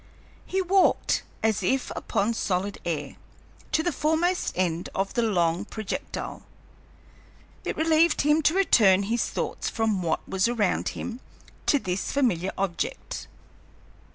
He walked, as if upon solid air, to the foremost end of the long projectile. It relieved him to turn his thoughts from what was around him to this familiar object.